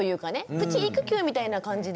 プチ育休みたいな感じで。